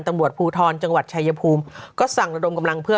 ตำรวจภูทรจังหวัดชายภูมิก็สั่งระดมกำลังเพื่อ